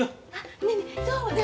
ねえねえそうだ